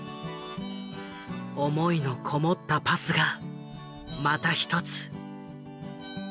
思いのこもったパスがまた一つ。